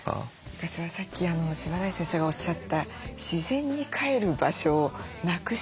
私はさっき柴内先生がおっしゃった自然にかえる場所をなくした動物犬猫。